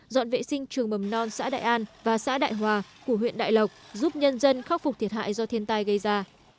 dọn vệ sinh trường mầm non xã đại an và xã đại hòa của huyện đại lộc giúp nhân dân khắc phục thiệt hại do thiên tai gây ra